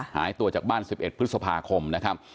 หายตัวจากบ้าน๑๑พฤษภาคมนะครับ